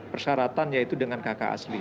persyaratan yaitu dengan kakak asli